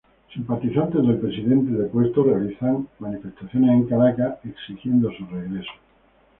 Simpatizantes del Presidente depuesto realizan manifestaciones en Caracas exigiendo su regreso.